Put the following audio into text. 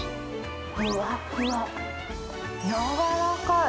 ふわふわ、やわらかい。